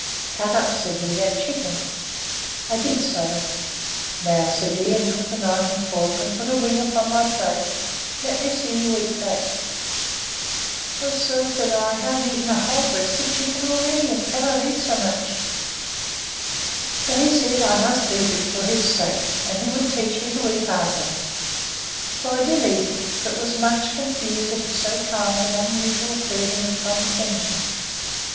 Cut up, said he, that chicken. I did so. Now, said he, and took a knife and fork, and put a wing upon my plate, let me see you eat that. O sir, said I, I have eaten a whole breast of a chicken already, and cannot eat so much. But he said, I must eat it for his sake, and he would teach me to eat heartily: So I did eat it; but was much confused at his so kind and unusual freedom and condescension.